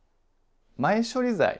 前処理剤